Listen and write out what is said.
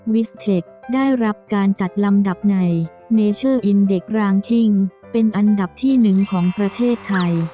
วิสเทคได้รับการจัดลำดับในเป็นอันดับที่๑ของประเทศไทย